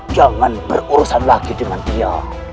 jangan berurusan lagi dengan dia